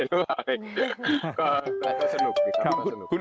แต่ก็สนุก